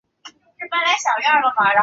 以他们的交情